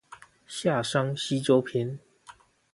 夏商西周篇